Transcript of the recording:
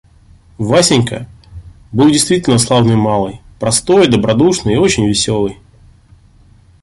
Васенька был действительно славный малый, простой, добродушный и очень веселый.